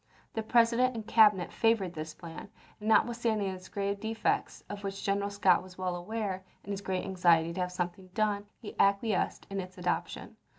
The President and Cabinet favored this plan, and not withstanding its grave defects, of which General Bays and9" Scott was well aware, in his great anxiety to have P. 19. ' something done, he acquiesced in its adoption.